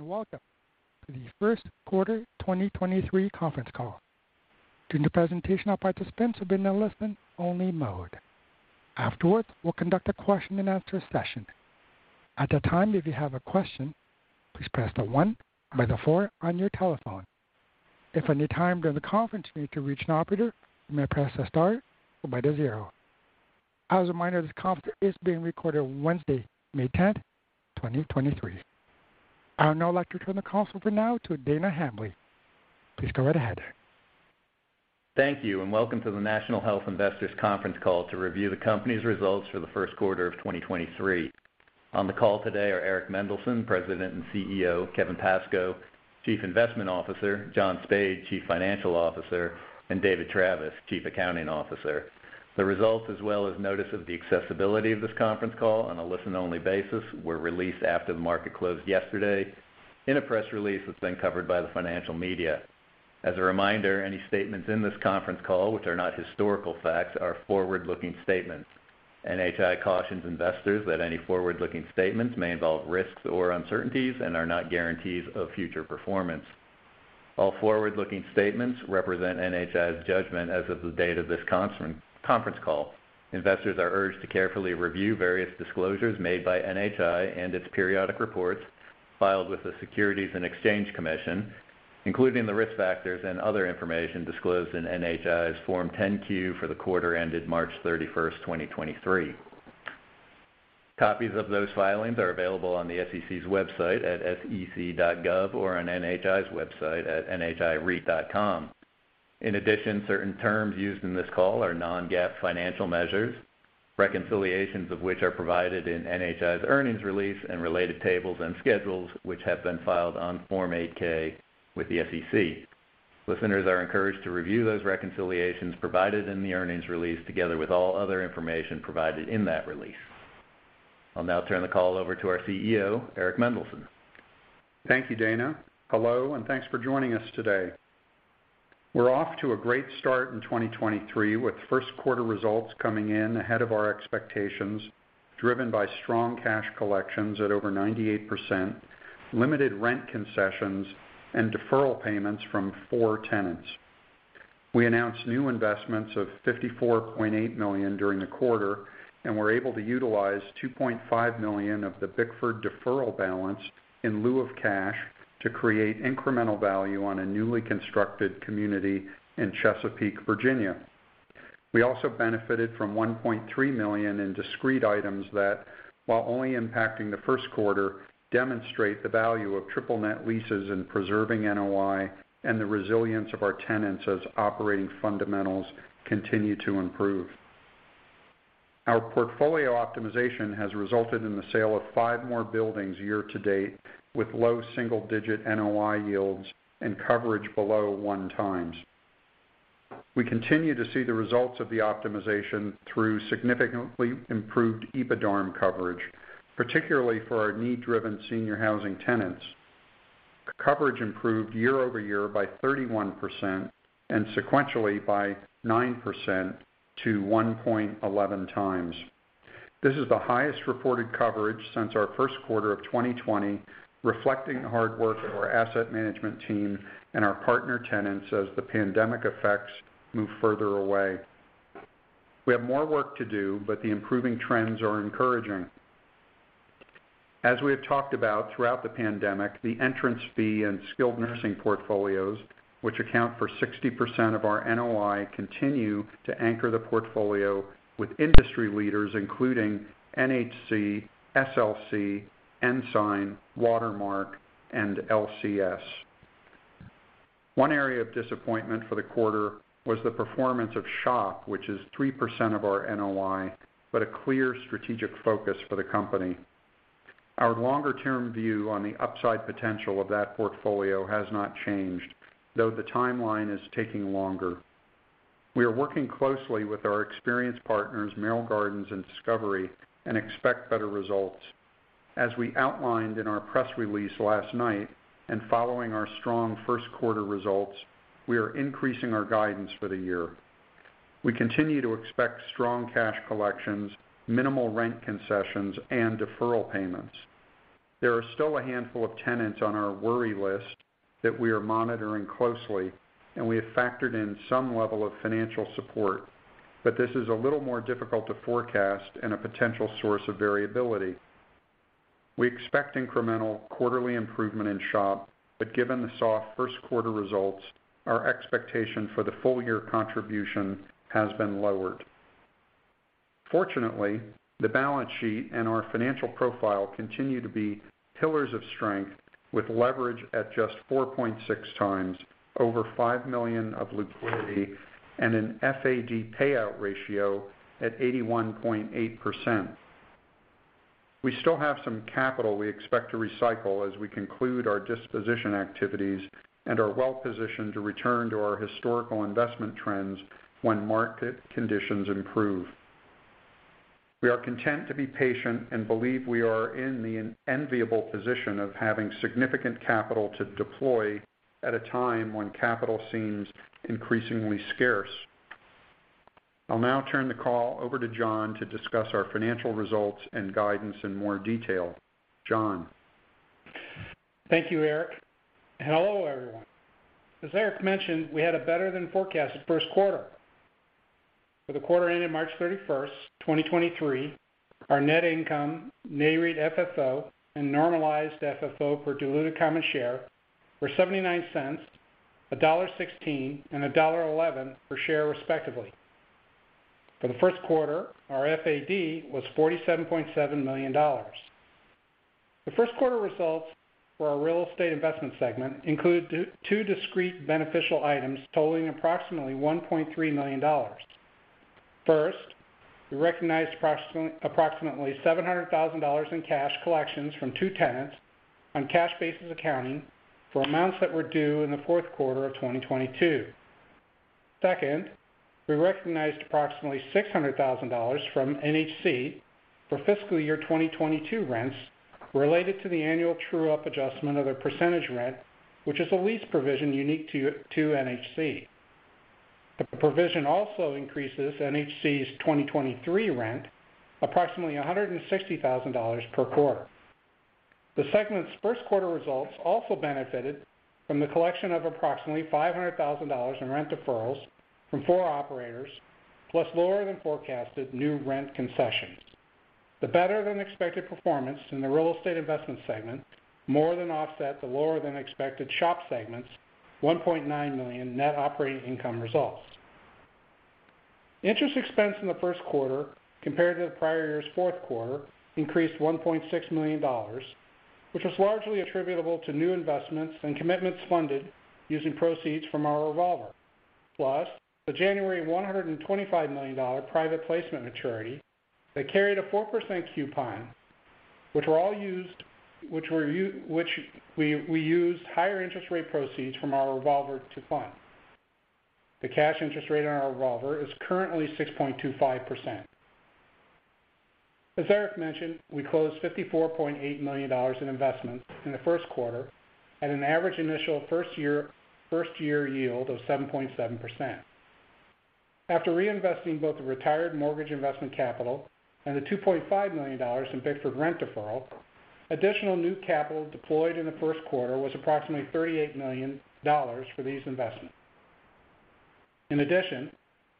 Welcome to the Q1 2023 Conference Call. During the presentation, all participants will be in a listen-only mode. Afterwards, we'll conduct a question-and-answer session. At that time, if you have a question, please press the one by the four on your telephone. If at any time during the conference you need to reach an operator, you may press star or by the zero. As a reminder, this conference is being recorded Wednesday, May 10, 2023. I would now like to turn the call over now to Dana Hambly. Please go right ahead. Thank you. Welcome to the National Health Investors conference call to review the company's results for the Q1 of 2023. On the call today are Eric Mendelsohn, President and CEO, Kevin Pascoe, Chief Investment Officer, John Spaid, Chief Financial Officer, and David Travis, Chief Accounting Officer. The results, as well as notice of the accessibility of this conference call on a listen-only basis, were released after the market closed yesterday in a press release that's been covered by the financial media. As a reminder, any statements in this conference call which are not historical facts are forward-looking statements. NHI cautions investors that any forward-looking statements may involve risks or uncertainties and are not guarantees of future performance. All forward-looking statements represent NHI's judgment as of the date of this conference call. Investors are urged to carefully review various disclosures made by NHI and its periodic reports filed with the Securities and Exchange Commission, including the risk factors and other information disclosed in NHI's Form 10-Q for the quarter ended March 31, 2023. Copies of those filings are available on the SEC's website at sec.gov or on NHI's website at nhireit.com. Certain terms used in this call are non-GAAP financial measures, reconciliations of which are provided in NHI's earnings release and related tables and schedules, which have been filed on Form 8-K with the SEC. Listeners are encouraged to review those reconciliations provided in the earnings release together with all other information provided in that release. I'll now turn the call over to our CEO, Eric Mendelsohn. Thank you, Dana. Hello, thanks for joining us today. We're off to a great start in 2023, with Q1 results coming in ahead of our expectations, driven by strong cash collections at over 98%, limited rent concessions, and deferral payments from 4 tenants. We announced new investments of $54.8 million during the quarter and were able to utilize $2.5 million of the Bickford deferral balance in lieu of cash to create incremental value on a newly constructed community in Chesapeake, Virginia. We also benefited from $1.3 million in discrete items that, while only impacting the Q1, demonstrate the value of triple net leases in preserving NOI and the resilience of our tenants as operating fundamentals continue to improve. Our portfolio optimization has resulted in the sale of five more buildings year-to-date with low single-digit NOI yields and coverage below one time. We continue to see the results of the optimization through significantly improved EBITDARM coverage, particularly for our need-driven senior housing tenants. Coverage improved year-over-year by 31% and sequentially by 9% to 1.11 times. This is the highest reported coverage since our Q1 of 2020, reflecting the hard work of our asset management team and our partner tenants as the pandemic effects move further away. We have more work to do, but the improving trends are encouraging. As we have talked about throughout the pandemic, the entrance fee and skilled nursing portfolios, which account for 60% of our NOI, continue to anchor the portfolio with industry leaders, including NHC, SLC, Ensign, Watermark, and LCS. One area of disappointment for the quarter was the performance of SHOP, which is 3% of our NOI, but a clear strategic focus for the company. Our longer-term view on the upside potential of that portfolio has not changed, though the timeline is taking longer. We are working closely with our experienced partners, Merrill Gardens and Discovery, and expect better results. As we outlined in our press release last night and following our strong Q1 results, we are increasing our guidance for the year. We continue to expect strong cash collections, minimal rent concessions, and deferral payments. There are still a handful of tenants on our worry list that we are monitoring closely, and we have factored in some level of financial support, but this is a little more difficult to forecast and a potential source of variability. We expect incremental quarterly improvement in SHOP, given the soft Q1 results, our expectation for the full year contribution has been lowered. Fortunately, the balance sheet and our financial profile continue to be pillars of strength with leverage at just 4.6x, over $5 million of liquidity and an FAD payout ratio at 81.8%. We still have some capital we expect to recycle as we conclude our disposition activities and are well positioned to return to our historical investment trends when market conditions improve. We are content to be patient and believe we are in the enviable position of having significant capital to deploy at a time when capital seems increasingly scarce. I'll now turn the call over to John to discuss our financial results and guidance in more detail. John? Thank you, Eric. Hello, everyone. As Eric mentioned, we had a better than forecasted Q1. For the quarter ending March 31, 2023, our net income, NAREIT FFO, and normalized FFO per diluted common share were $0.79, $1.16, and $1.11 per share, respectively. For the Q1, our FAD was $47.7 million. The Q1 results for our real estate investment segment include two discrete beneficial items totaling approximately $1.3 million. First, we recognized approximately $700,000 in cash collections from two tenants on cash basis accounting for amounts that were due in the Q4 of 2022. Second, we recognized approximately $600,000 from NHC for fiscal year 2022 rents related to the annual true-up adjustment of their percentage rent, which is a lease provision unique to NHC. The provision also increases NHC's 2023 rent approximately $160,000 per quarter. The segment's Q1 results also benefited from the collection of approximately $500,000 in rent deferrals from four operators, plus lower than forecasted new rent concessions. The better than expected performance in the real estate investment segment more than offset the lower than expected SHOP segment's $1.9 million NOI results. Interest expense in the Q1 compared to the prior year's Q4 increased $1.6 million, which was largely attributable to new investments and commitments funded using proceeds from our revolver. Plus, the January $125 million private placement maturity that carried a 4% coupon, which we used higher interest rate proceeds from our revolver to fund. The cash interest rate on our revolver is currently 6.25%. As Eric mentioned, we closed $54.8 million in investments in the Q1 at an average initial first year yield of 7.7%. After reinvesting both the retired mortgage investment capital and the $2.5 million in Bickford rent deferral, additional new capital deployed in the Q1 was approximately $38 million for these investments. In addition,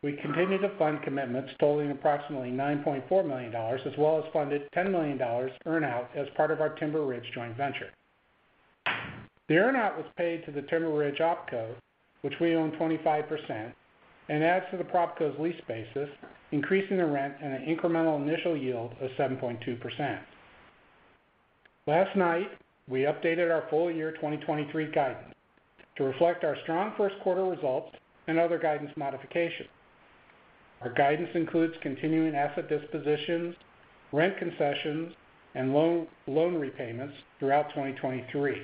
we continued to fund commitments totaling approximately $9.4 million as well as funded $10 million earn out as part of our Timber Ridge joint venture. The earn out was paid to the Timber Ridge OpCo, which we own 25% and adds to the PropCo's lease basis, increasing the rent and an incremental initial yield of 7.2%. Last night, we updated our full year 2023 guidance to reflect our strong Q1 results and other guidance modifications. Our guidance includes continuing asset dispositions, rent concessions, and loan repayments throughout 2023.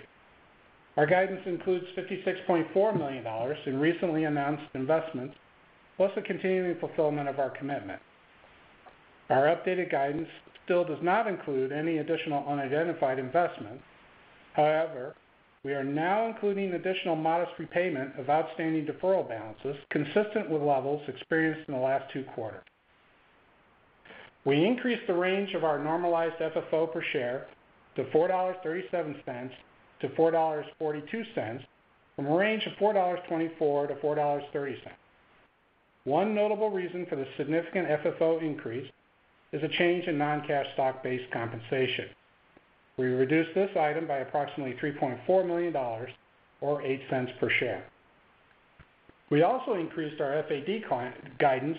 Our guidance includes $56.4 million in recently announced investments, plus the continuing fulfillment of our commitment. Our updated guidance still does not include any additional unidentified investments. However, we are now including additional modest repayment of outstanding deferral balances consistent with levels experienced in the last two quarters. We increased the range of our normalized FFO per share to $4.37-$4.42 from a range of $4.24-$4.30. One notable reason for the significant FFO increase is a change in non-cash stock-based compensation. We reduced this item by approximately $3.4 million or $0.08 per share. We also increased our FAD client guidance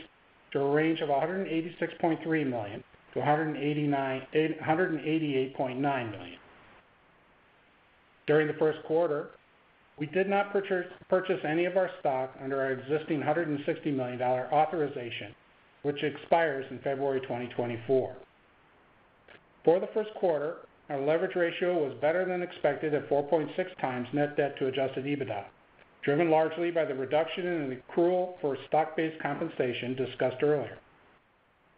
to a range of $186.3 million to $188.9 million. During the Q1, we did not purchase any of our stock under our existing $160 million authorization, which expires in February 2024. For the Q1, our leverage ratio was better than expected at 4.6 times net debt to adjusted EBITDA, driven largely by the reduction in the accrual for stock-based compensation discussed earlier.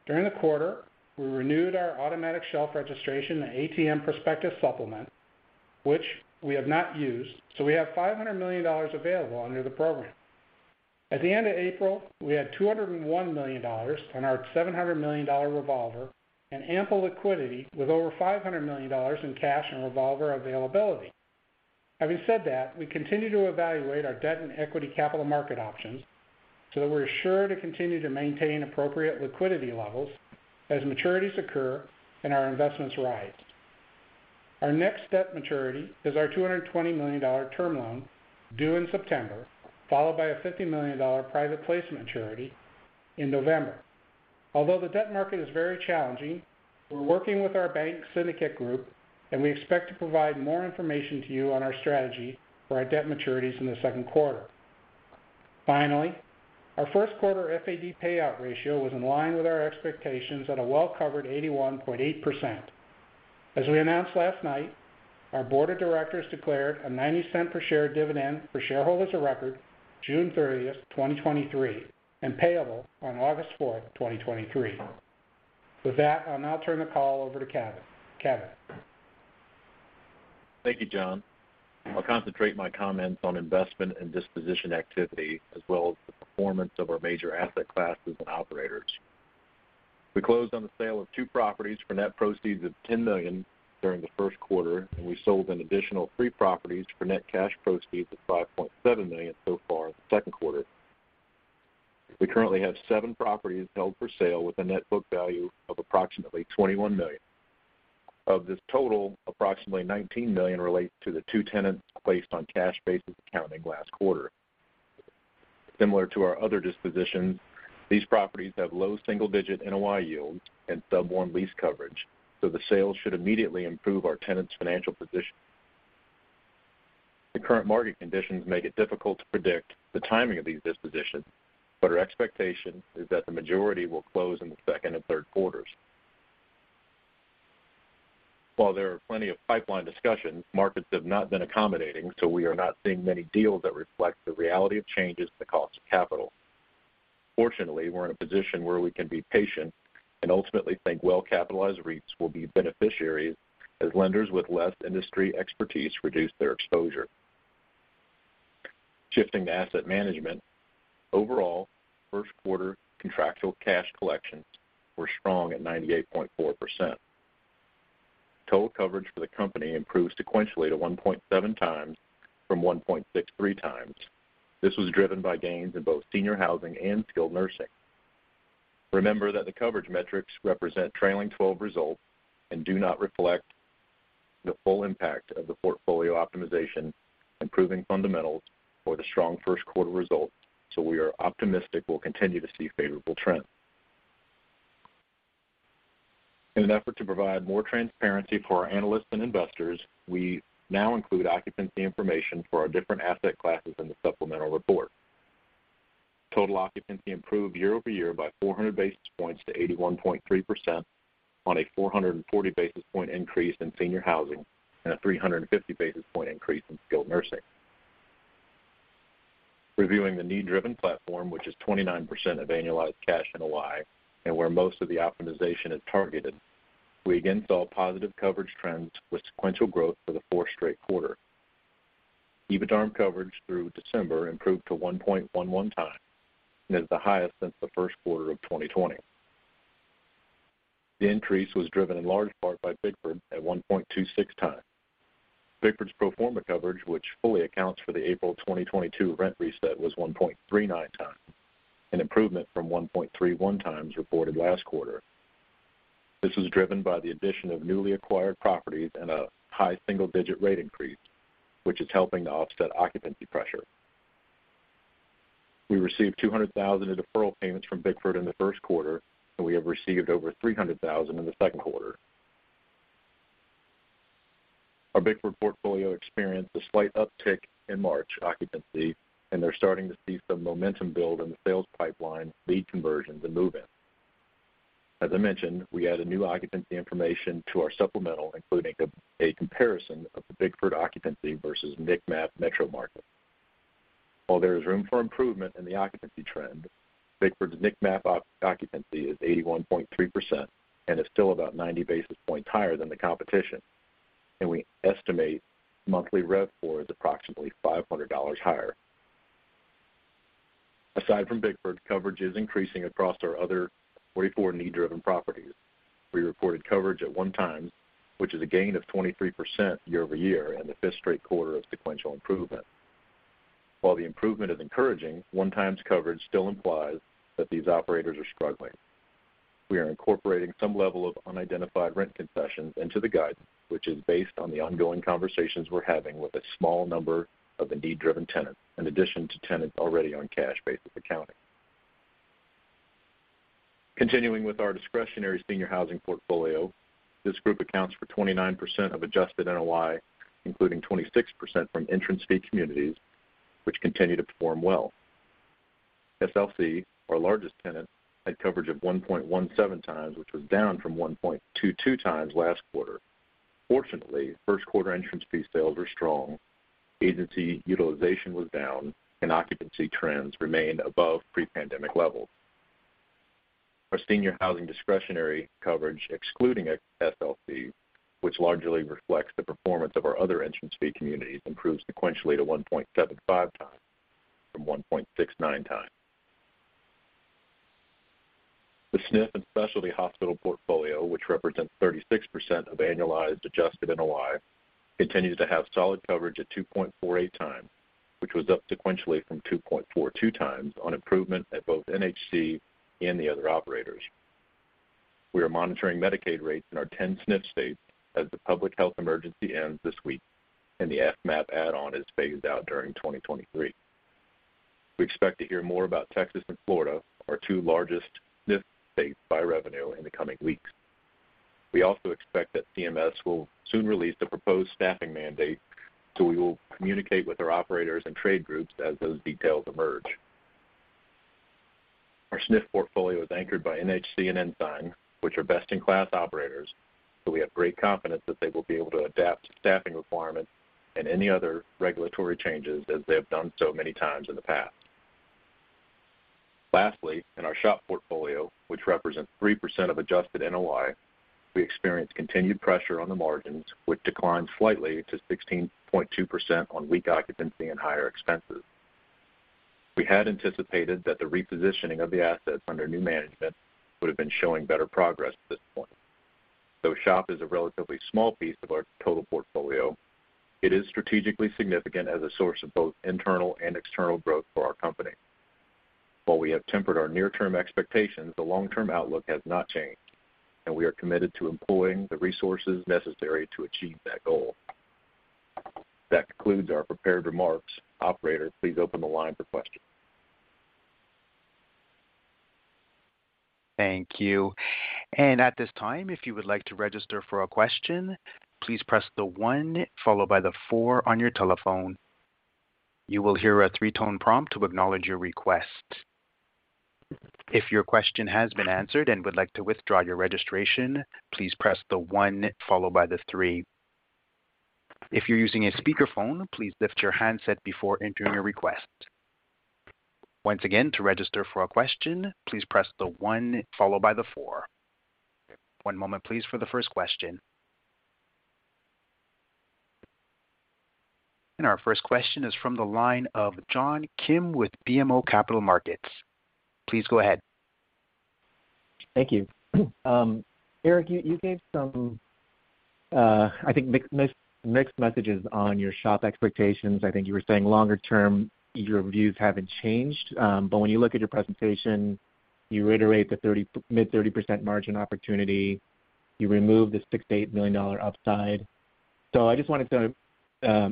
During the quarter, we renewed our automatic shelf registration and ATM prospectus supplement, which we have not used. We have $500 million available under the program. At the end of April, we had $201 million on our $700 million revolver and ample liquidity with over $500 million in cash and revolver availability. Having said that, we continue to evaluate our debt and equity capital market options so that we're sure to continue to maintain appropriate liquidity levels as maturities occur and our investments rise. Our next step maturity is our $220 million term loan due in September, followed by a $50 million private placement maturity in November. Although the debt market is very challenging, we're working with our bank syndicate group, and we expect to provide more information to you on our strategy for our debt maturities in the Q2. Finally, our Q1 FAD payout ratio was in line with our expectations at a well-covered 81.8%. As we announced last night, our board of directors declared a $0.90 per share dividend for shareholders of record June 30, 2023, and payable on August 4, 2023. With that, I'll now turn the call over to Kevin. Kevin? Thank you, John. I'll concentrate my comments on investment and disposition activity as well as the performance of our major asset classes and operators. We closed on the sale of two properties for net proceeds of $10 million during the Q1, and we sold an additional three properties for net cash proceeds of $5.7 million so far in the Q2. We currently have seven properties held for sale with a net book value of approximately $21 million. Of this total, approximately $19 million relates to the two tenants placed on cash basis accounting last quarter. Similar to our other dispositions, these properties have low single digit NOI yield and sub one lease coverage, so the sales should immediately improve our tenants' financial position. The current market conditions make it difficult to predict the timing of these dispositions, our expectation is that the majority will close in the second and third quarters. While there are plenty of pipeline discussions, markets have not been accommodating, we are not seeing many deals that reflect the reality of changes in the cost of capital. Fortunately, we're in a position where we can be patient and ultimately think well-capitalized REITs will be beneficiaries as lenders with less industry expertise reduce their exposure. Shifting to asset management, overall, Q1 contractual cash collections were strong at 98.4%. Total coverage for the company improved sequentially to 1.7 times from 1.63 times. This was driven by gains in both senior housing and skilled nursing. Remember that the coverage metrics represent trailing 12 results and do not reflect the full impact of the portfolio optimization, improving fundamentals, or the strong Q1 results. We are optimistic we'll continue to see favorable trends. In an effort to provide more transparency for our analysts and investors, we now include occupancy information for our different asset classes in the supplemental report. Total occupancy improved year-over-year by 400 basis points to 81.3% on a 440 basis point increase in senior housing and a 350 basis point increase in skilled nursing. Reviewing the need-driven platform, which is 29% of annualized cash NOI, and where most of the optimization is targeted, we again saw positive coverage trends with sequential growth for the fourth straight quarter. EBITDARM coverage through December improved to 1.11 times and is the highest since the Q1 of 2020. The increase was driven in large part by Bickford at 1.26 times. Bickford's pro forma coverage, which fully accounts for the April 2022 rent reset, was 1.39 times, an improvement from 1.31 times reported last quarter. This is driven by the addition of newly acquired properties and a high single-digit rate increase, which is helping to offset occupancy pressure. We received $200,000 in deferral payments from Bickford in the Q1. We have received over $300,000 in the Q2. Our Bickford portfolio experienced a slight uptick in March occupancy. They're starting to see some momentum build in the sales pipeline, lead conversions, and move-ins. As I mentioned, we add a new occupancy information to our supplemental, including a comparison of the Bickford occupancy versus NIC MAP metro market. While there is room for improvement in the occupancy trend, Bickford's NIC MAP occupancy is 81.3% and is still about 90 basis points higher than the competition. We estimate monthly rent for is approximately $500 higher. Aside from Bickford, coverage is increasing across our other 44 need-driven properties. We reported coverage at 1 times, which is a gain of 23% year-over-year and the fifth straight quarter of sequential improvement. While the improvement is encouraging, one times coverage still implies that these operators are struggling. We are incorporating some level of unidentified rent concessions into the guidance, which is based on the ongoing conversations we're having with a small number of the need-driven tenants, in addition to tenants already on cash basis accounting. Continuing with our discretionary senior housing portfolio, this group accounts for 29% of adjusted NOI, including 26% from entrance fee communities, which continue to perform well. SLC, our largest tenant, had coverage of 1.17 times, which was down from 1.22 times last quarter. Fortunately, Q1 entrance fee sales were strong, agency utilization was down, and occupancy trends remained above pre-pandemic levels. Our senior housing discretionary coverage, excluding SLC, which largely reflects the performance of our other entrance fee communities, improved sequentially to 1.75 times from 1.69 times. The SNF and specialty hospital portfolio, which represents 36% of annualized adjusted NOI, continues to have solid coverage at 2.48 times, which was up sequentially from 2.42 times on improvement at both NHC and the other operators. We are monitoring Medicaid rates in our 10 SNF states as the public health emergency ends this week and the FMAP add-on is phased out during 2023. We expect to hear more about Texas and Florida, our t wo largest SNF states by revenue, in the coming weeks. We also expect that CMS will soon release the proposed staffing mandate. We will communicate with our operators and trade groups as those details emerge. Our SNF portfolio is anchored by NHC and Ensign, which are best-in-class operators. We have great confidence that they will be able to adapt to staffing requirements and any other regulatory changes as they have done so many times in the past. In our SHOP portfolio, which represents 3% of adjusted NOI, we experienced continued pressure on the margins, which declined slightly to 16.2% on weak occupancy and higher expenses. We had anticipated that the repositioning of the assets under new management would have been showing better progress at this point. SHOP is a relatively small piece of our total portfolio, it is strategically significant as a source of both internal and external growth for our company. We have tempered our near-term expectations, the long-term outlook has not changed, and we are committed to employing the resources necessary to achieve that goal. That concludes our prepared remarks. Operator, please open the line for questions. Thank you. At this time, if you would like to register for a question, please press the one followed by the four on your telephone. You will hear a three tone prompt to acknowledge your request. If your question has been answered and would like to withdraw your registration, please press the one followed by the three. If you're using a speakerphone, please lift your handset before entering your request. Once again, to register for a question, please press the one followed by the four. One moment, please, for the first question. Our first question is from the line of John Kim with BMO Capital Markets. Please go ahead. Thank you. Eric, you gave some, I think mixed messages on your SHOP expectations. I think you were saying longer term, your views haven't changed. When you look at your presentation, you reiterate the mid-30% margin opportunity, you remove the $6-$8 million upside. I just wanted to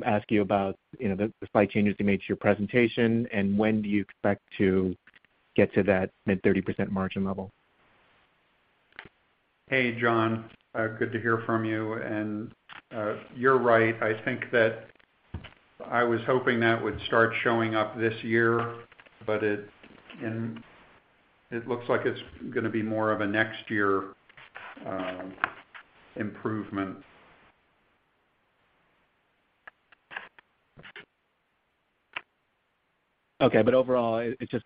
ask you about, you know, the slight changes you made to your presentation and when do you expect to get to that mid-30% margin level? Hey, John. good to hear from you. You're right. I think that I was hoping that would start showing up this year, and it looks like it's gonna be more of a next year improvement. Okay. Overall, it's just,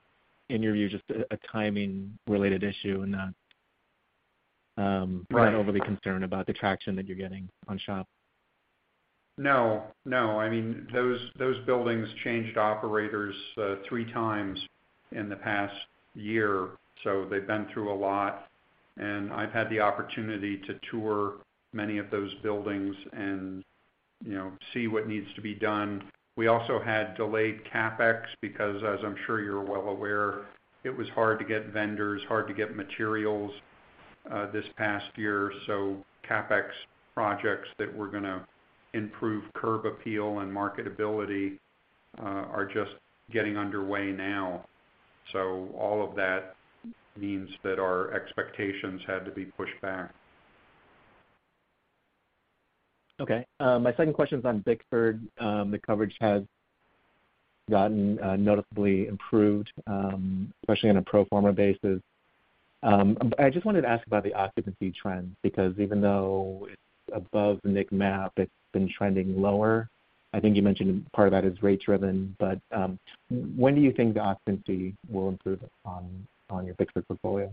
in your view, just a timing-related issue and not? Right. You're not overly concerned about the traction that you're getting on SHOP. No, no. I mean, those buildings changed operators, three times in the past year, so they've been through a lot. I've had the opportunity to tour many of those buildings and, you know, see what needs to be done. We also had delayed CapEx because as I'm sure you're well aware, it was hard to get vendors, hard to get materials, this past year. CapEx projects that were gonna improve curb appeal and marketability, are just getting underway now. All of that means that our expectations had to be pushed back. Okay. My second question is on Bickford. The coverage has gotten noticeably improved, especially on a pro forma basis. I just wanted to ask about the occupancy trends, because even though it's above the NIC MAP, it's been trending lower. I think you mentioned part of that is rate driven, but when do you think the occupancy will improve on your Bickford portfolio?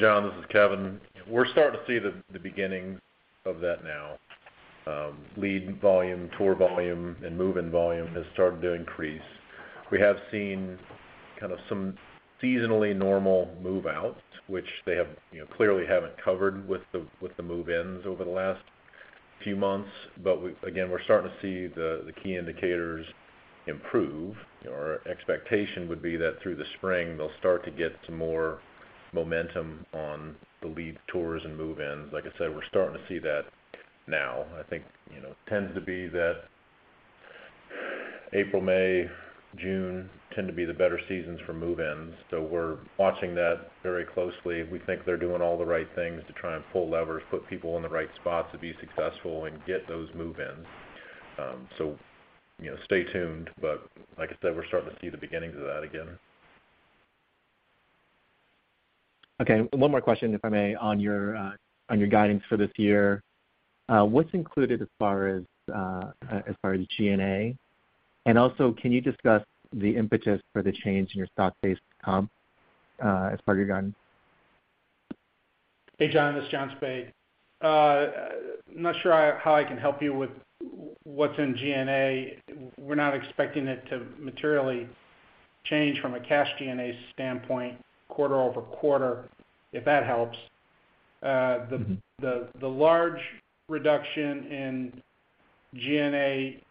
John, this is Kevin. We're starting to see the beginnings of that now. Lead volume, tour volume, and move-in volume has started to increase. We have seen kind of some seasonally normal move-outs, which they have, you know, clearly haven't covered with the move-ins over the last few months. We've again, we're starting to see the key indicators improve. Our expectation would be that through the spring, they'll start to get some more momentum on the lead tours and move-ins. Like I said, we're starting to see that now. I think, you know, tends to be that April, May, June tend to be the better seasons for move-ins. We're watching that very closely. We think they're doing all the right things to try and pull levers, put people in the right spots to be successful and get those move-ins. You know, stay tuned. Like I said, we're starting to see the beginnings of that again. Okay. One more question, if I may, on your, on your guidance for this year. What's included as far as far as G&A? Also, can you discuss the impetus for the change in your stock-based comp, as part of your guidance? Hey, John, this is John Spaid. I'm not sure how I can help you with what's in G&A. We're not expecting it to materially change from a cash G&A standpoint quarter-over-quarter, if that helps. Mm-hmm. The large reduction in G&A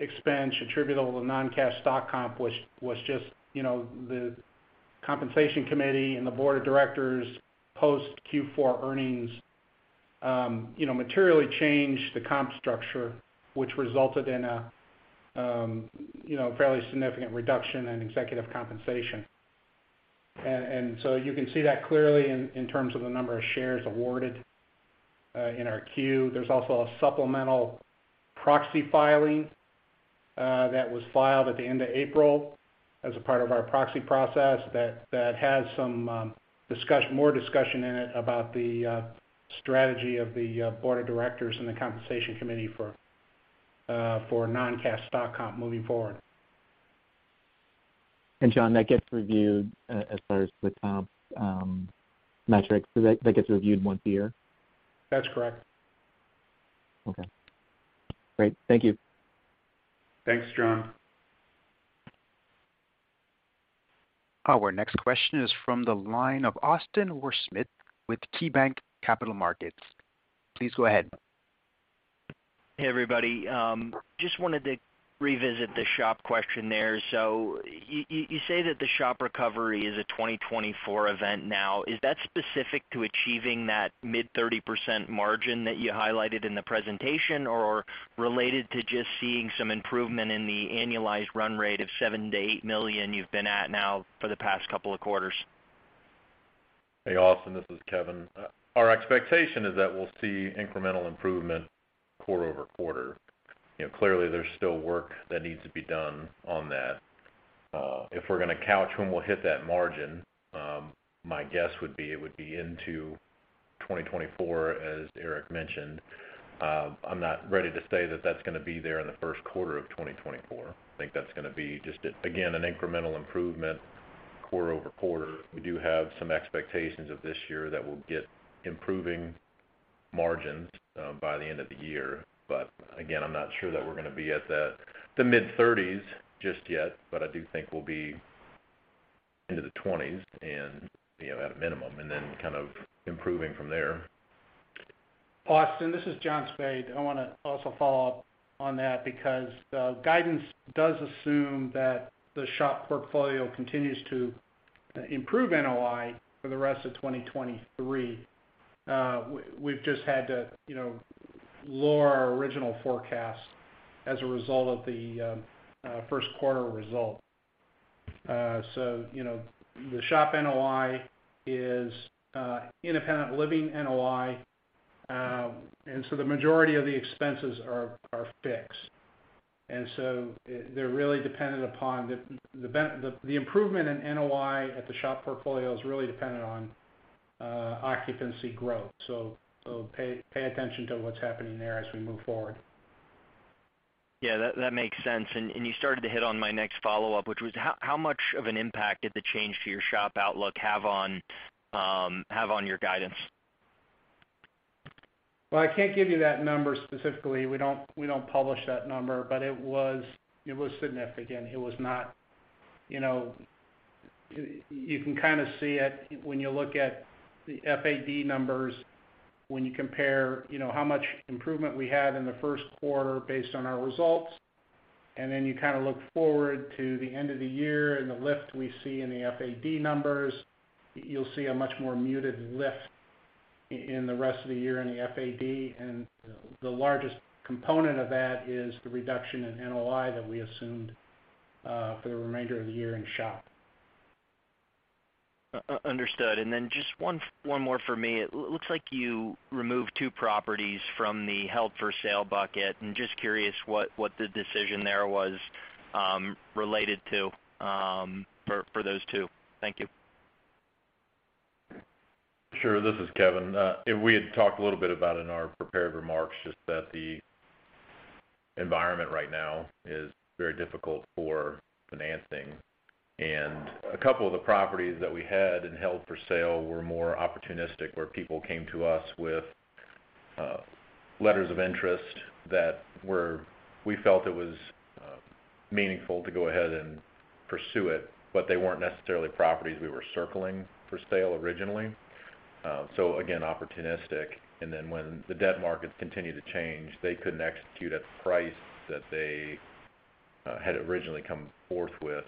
expense attributable to non-cash stock comp, which was just, you know, the compensation committee and the board of directors post Q4 earnings, you know, materially changed the comp structure, which resulted in a, you know, fairly significant reduction in executive compensation. You can see that clearly in terms of the number of shares awarded in our Q. There's also a supplemental proxy filing that was filed at the end of April as a part of our proxy process that has some more discussion in it about the strategy of the board of directors and the compensation committee for non-cash stock comp moving forward. John, that gets reviewed, as far as the comp, metrics, so that gets reviewed once a year? That's correct. Okay. Great. Thank you. Thanks, John. Our next question is from the line of Austin Wurschmidt with KeyBanc Capital Markets. Please go ahead. Hey, everybody. Just wanted to revisit the SHOP question there. You say that the SHOP recovery is a 2024 event now. Is that specific to achieving that mid 30% margin that you highlighted in the presentation, or related to just seeing some improvement in the annualized run rate of $7-$8 million you've been at now for the past couple of quarters? Hey, Austin Wurschmidt, this is Kevin Pascoe. Our expectation is that we'll see incremental improvement quarter-over-quarter. You know, clearly, there's still work that needs to be done on that. If we're gonna couch when we'll hit that margin, my guess would be it would be into 2024, as Eric Mendelsohn mentioned. I'm not ready to say that that's gonna be there in the Q1 of 2024. I think that's gonna be just, again, an incremental improvement quarter-over-quarter. We do have some expectations of this year that we'll get improving margins, by the end of the year. Again, I'm not sure that we're gonna be at that, the mid 30s just yet, but I do think we'll be into the 20s and, you know, at a minimum, and then kind of improving from there. Austin, this is John Spaid. I wanna also follow up on that because the guidance does assume that the SHOP portfolio continues to improve NOI for the rest of 2023. We've just had to, you know, lower our original forecast as a result of the Q1 result. You know, the SHOP NOI is independent living NOI, and so the majority of the expenses are fixed. They're really dependent upon the improvement in NOI at the SHOP portfolio is really dependent on occupancy growth. Pay attention to what's happening there as we move forward. Yeah, that makes sense. You started to hit on my next follow-up, which was how much of an impact did the change to your SHOP outlook have on your guidance? I can't give you that number specifically. We don't publish that number, but it was significant. It was not, you know. You can kind of see it when you look at the FAD numbers, when you compare, you know, how much improvement we had in the Q1 based on our results, and then you kind of look forward to the end of the year and the lift we see in the FAD numbers. You'll see a much more muted lift in the rest of the year in the FAD. The largest component of that is the reduction in NOI that we assumed for the remainder of the year in SHOP. Understood. Just one more for me. It looks like you removed two properties from the held for sale bucket. I'm just curious what the decision there was related to for those two. Thank you. Sure. This is Kevin. We had talked a little bit about in our prepared remarks just that the environment right now is very difficult for financing. A couple of the properties that we had in held for sale were more opportunistic, where people came to us with letters of interest that were, we felt it was meaningful to go ahead and pursue it, but they weren't necessarily properties we were circling for sale originally. So again, opportunistic. Then when the debt markets continued to change, they couldn't execute at the price that they had originally come forth with.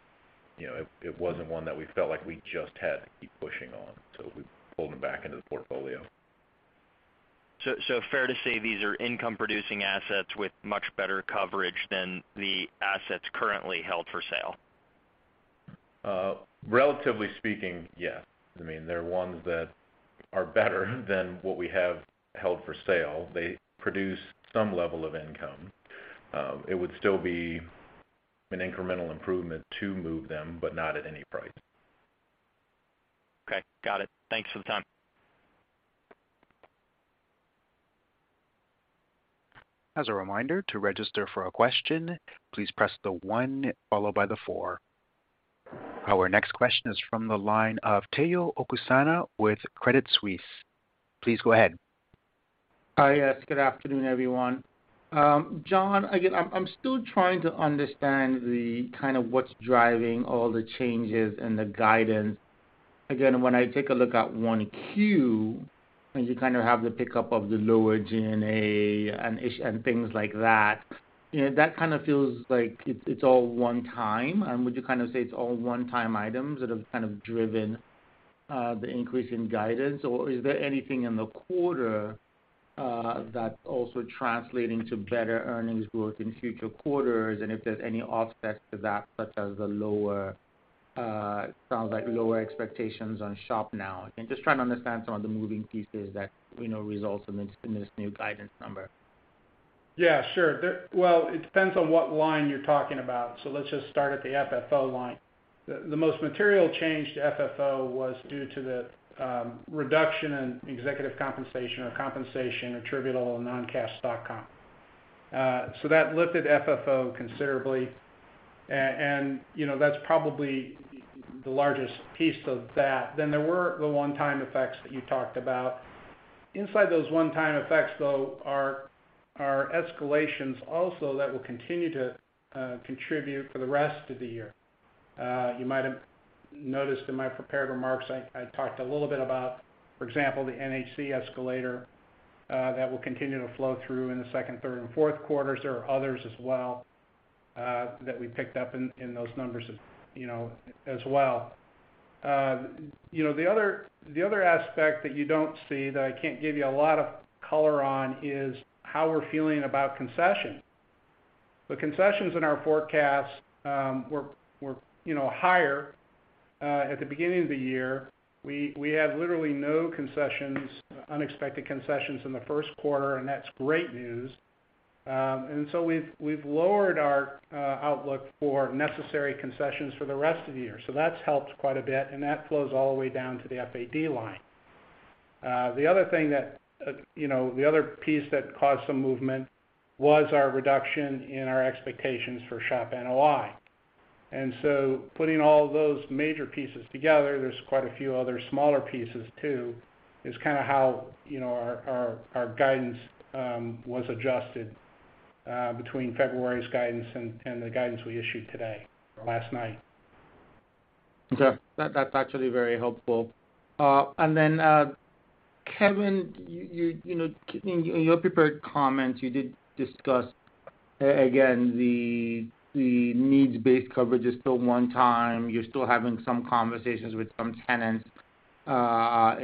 You know, it wasn't one that we felt like we just had to keep pushing on, so we pulled them back into the portfolio. Fair to say these are income-producing assets with much better coverage than the assets currently held for sale? Relatively speaking, yes. I mean, they're ones that are better than what we have held for sale. They produce some level of income. It would still be an incremental improvement to move them, but not at any price. Okay. Got it. Thanks for the time. As a reminder, to register for a question, please press the one followed by the four. Our next question is from the line of Tayo Okusanya with Credit Suisse. Please go ahead. Hi, yes. Good afternoon, everyone. John, I'm still trying to understand the kind of what's driving all the changes in the guidance. When I take a look at 1Q, and you kind of have the pickup of the lower G&A and things like that, you know, that kind of feels like it's all one-time. Would you kind of say it's all one-time items that have kind of driven the increase in guidance? Or is there anything in the quarter that's also translating to better earnings growth in future quarters? If there's any offsets to that, such as the lower, sounds like lower expectations on SHOP now. Just trying to understand some of the moving pieces that, you know, results in this, in this new guidance number. Yeah, sure. Well, it depends on what line you're talking about, so let's just start at the FFO line. The most material change to FFO was due to the reduction in executive compensation or compensation attributable to non-cash stock comp. That lifted FFO considerably, you know, that's probably the largest piece of that. There were the one-time effects that you talked about. Inside those one-time effects though, are escalations also that will continue to contribute for the rest of the year. You might have noticed in my prepared remarks, I talked a little bit about, for example, the NHC escalator that will continue to flow through in the second, third and Q4s. There are others as well that we picked up in those numbers as, you know, as well. You know, the other, the other aspect that you don't see that I can't give you a lot of color on is how we're feeling about concession. The concessions in our forecast, were, you know, higher, at the beginning of the year. We had literally no concessions, unexpected concessions in the Q1, and that's great news. We've lowered our outlook for necessary concessions for the rest of the year. That's helped quite a bit, and that flows all the way down to the FAD line. The other thing that, you know, the other piece that caused some movement was our reduction in our expectations for SHOP NOI. Putting all those major pieces together, there's quite a few other smaller pieces too, is kind of how, you know, our guidance was adjusted between February's guidance and the guidance we issued today or last night. Okay. That's actually very helpful. Then, Kevin, you know, in your prepared comments, you did discuss, again, the needs-based coverage is still one time. You're still having some conversations with some tenants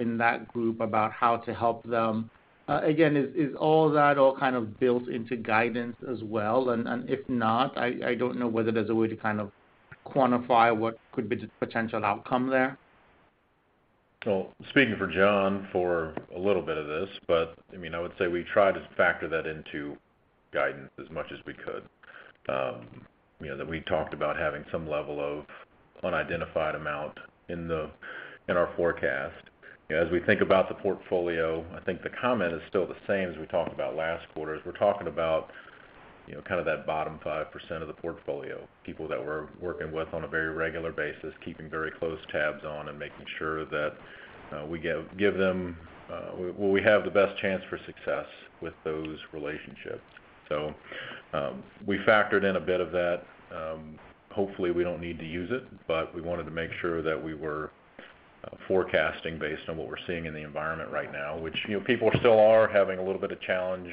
in that group about how to help them. Again, is all that kind of built into guidance as well? If not, I don't know whether there's a way to kind of quantify what could be the potential outcome there. Speaking for John for a little bit of this, but I mean, I would say we try to factor that into guidance as much as we could. You know, that we talked about having some level of unidentified amount in our forecast. We think about the portfolio, I think the comment is still the same as we talked about last quarter. We're talking about, you know, kind of that bottom 5% of the portfolio, people that we're working with on a very regular basis, keeping very close tabs on, and making sure that we give them where we have the best chance for success with those relationships. We factored in a bit of that. Hopefully we don't need to use it, but we wanted to make sure that we were forecasting based on what we're seeing in the environment right now, which, you know, people still are having a little bit of challenge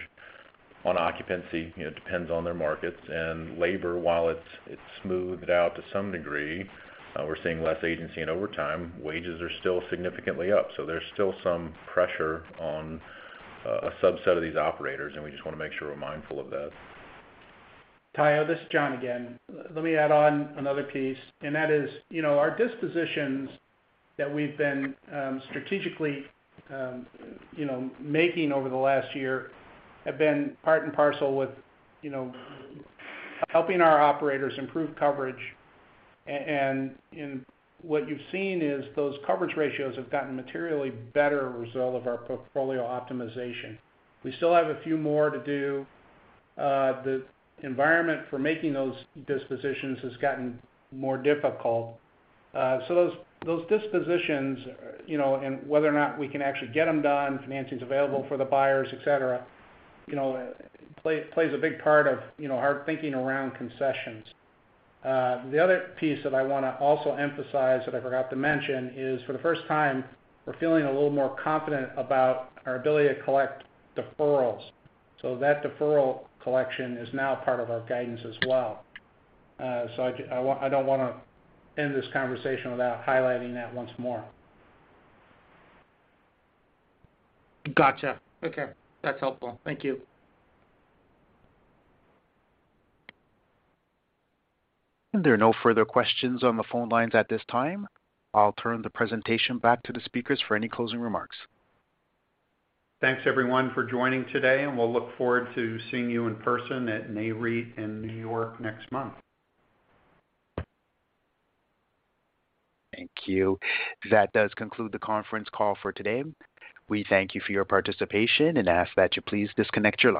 on occupancy. You know, it depends on their markets. Labor, while it's smoothed out to some degree, we're seeing less agency and overtime, wages are still significantly up. There's still some pressure on a subset of these operators, and we just wanna make sure we're mindful of that. Tayo, this is John again. Let me add on another piece, and that is, you know, our dispositions that we've been strategically, you know, making over the last year have been part and parcel with, you know, helping our operators improve coverage. What you've seen is those coverage ratios have gotten materially better as a result of our portfolio optimization. We still have a few more to do. The environment for making those dispositions has gotten more difficult. Those dispositions, you know, and whether or not we can actually get them done, financing's available for the buyers, et cetera, you know, plays a big part of, you know, our thinking around concessions. The other piece that I wanna also emphasize that I forgot to mention is, for the first time, we're feeling a little more confident about our ability to collect deferrals. That deferral collection is now part of our guidance as well. I don't wanna end this conversation without highlighting that once more. Gotcha. Okay, that's helpful. Thank you. There are no further questions on the phone lines at this time. I'll turn the presentation back to the speakers for any closing remarks. Thanks, everyone, for joining today, and we'll look forward to seeing you in person at Nareit in New York next month. Thank you. That does conclude the conference call for today. We thank you for your participation and ask that you please disconnect your lines.